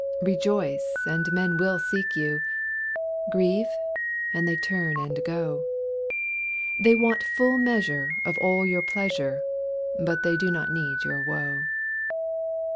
Rejoice, and men will seek you; Grieve, and they turn and go; They want full measure of all your pleasure, But they do not need your woe.